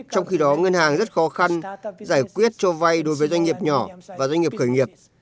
trong khi đó ngân hàng rất khó khăn giải quyết cho vay đối với doanh nghiệp nhỏ và doanh nghiệp khởi nghiệp